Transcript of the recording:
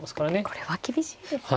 これは厳しいですね。